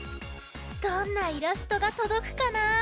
どんなイラストがとどくかな？